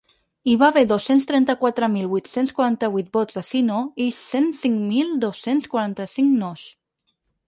Hi va haver dos-cents trenta-quatre mil vuit-cents quaranta-vuit vots de sí-no i cent cinc mil dos-cents quaranta-cinc nos.